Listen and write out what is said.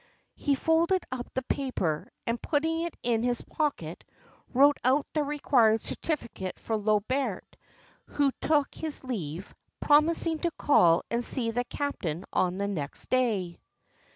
He folded up the paper, and putting it in his pocket, wrote out the required certificate for Lobert, who took his leave, promising to call and see the captain on the next day.